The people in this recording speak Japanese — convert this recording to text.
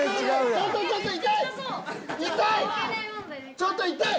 ちょっと痛い！